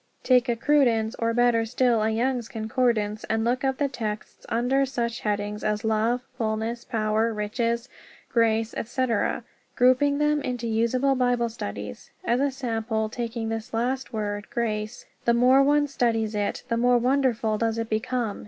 Take a Cruden's, or better still a Young's, concordance and look up the texts under such headings as Love, Fulness, Power, Riches, Grace, etc., grouping them into usable Bible studies. As a sample, taking this last word, "grace"; the more one studies it the more wonderful does it become.